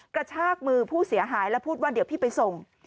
กระชากมือผู้เสียหายแล้วพูดว่าเดี๋ยวพี่ไปส่ง